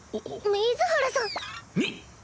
水原さん。